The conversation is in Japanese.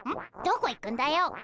どこ行くんだよ。